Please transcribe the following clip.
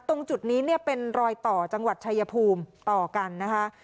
ตรงจุดนี้เนี่ยเป็นรอยต่อจังหวัดชายภูมิต่อกันนะคะ